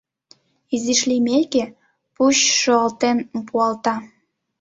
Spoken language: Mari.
Изиш лиймеке, пуч шуялтен пуалта.